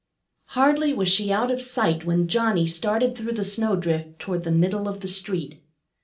Hardly was she out of sight when Johnnie started through the snowdrift toward the middle of the street.